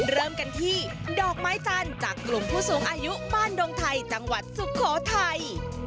เริ่มกันที่ดอกไม้จันทร์จากกลุ่มผู้สูงอายุบ้านดงไทยจังหวัดสุโขทัย